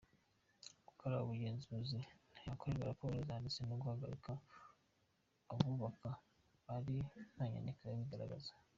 Gukora ubugenzuzi ntihakorwe raporo zanditse, no guhagarika abubaka ari ntanyandiko ibigaragaza.